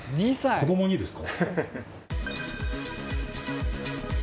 子どもにですか？